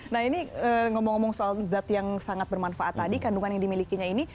nah ini ngomong ngomong soal zat yang sangat bermanfaat tadi kandungan yang dimilikinya ini